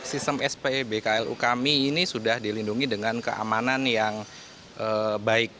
sistem sp bklu kami ini sudah dilindungi dengan keamanan yang baik